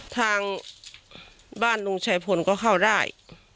ทางบ้านลุงชายพลก็เข้าได้